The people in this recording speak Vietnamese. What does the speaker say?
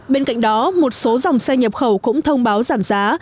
bên cạnh đó một số dòng xe nhập khẩu cũng thông báo giảm giá